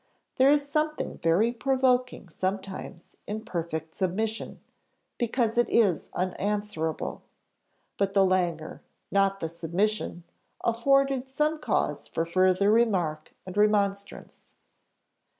There is something very provoking sometimes in perfect submission, because it is unanswerable. But the langour, not the submission, afforded some cause for further remark and remonstrance.